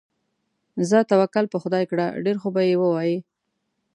ځه توکل په خدای کړه، ډېر خوبه یې ووایې.